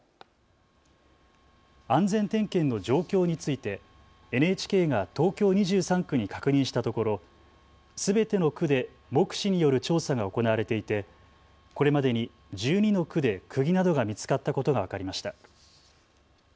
安全点検の状況についてＮＨＫが東京２３区に確認したところすべての区で目視による調査が行われていて、これまでに１２の区でくぎなどが見つかったことが分かりました。